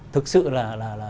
thực sự là